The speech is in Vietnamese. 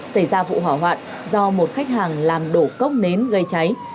xảy ra vụ hỏa hoạn do một khách hàng làm đổ cốc nến gây cháy